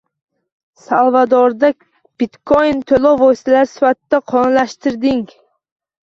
Salvadorda bitkoin to‘lov vositasi sifatida qonunlashtirilding